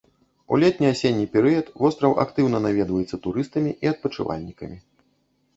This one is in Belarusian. У летне-асенні перыяд востраў актыўна наведваецца турыстамі і адпачывальнікамі.